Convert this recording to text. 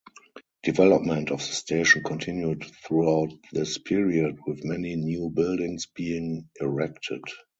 Development of the station continued throughout this period, with many new buildings being erected.